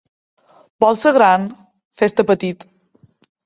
Vols ser gran? Fes-te petit.